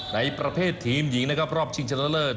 ในประเภททีมหญิงนะครับรอบชิงชนะเลิศ